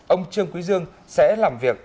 ông trương quý dương sẽ làm việc